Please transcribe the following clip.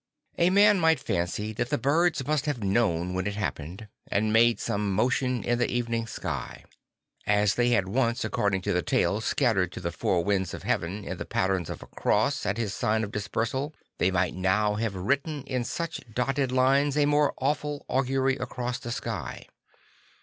A man might fancy that the birds must have known when it happened; and made some motion in the evening sky. As they had once, according to the tale, scattered to the four winds of heaven in the pattern of a cross at his signal of dispersion, they might now have Mitten in such dotted lines a more awful augury across the sky.